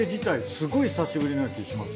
すごい久しぶりな気します